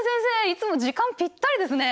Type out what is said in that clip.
いつも時間ぴったりですね。